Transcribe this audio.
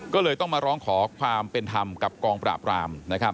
ก็เลยต้องมาร้องขอความเป็นธรรมกับกองปราบราม